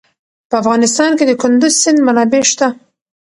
په افغانستان کې د کندز سیند منابع شته.